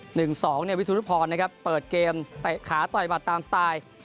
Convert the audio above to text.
หนึ่งสองเนี่ยวิสุนุพรนะครับเปิดเกมเตะขาต่อยบัตรตามสไตล์